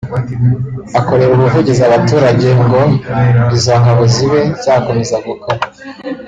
akorera ubuvugizi abaturage ngo izo ngabo zibe zakomeza gukora